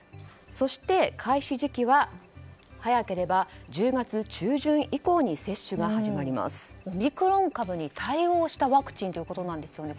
そして、開始時期は早ければ１０月中旬以降にオミクロン株に対応したワクチンということなんですよね。